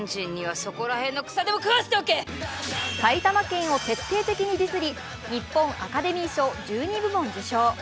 埼玉県を徹底的にディスり日本アカデミー賞１２部門受賞。